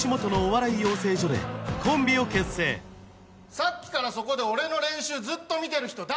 さっきからそこで俺の練習ずっと見てる人誰？